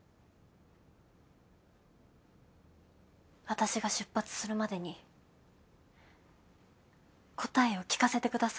私が出発するまでに答えを聞かせてください。